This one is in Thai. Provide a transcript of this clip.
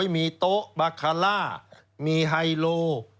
มีโต๊ะบาคาร่ามีไฮโล